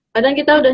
kadang kita udah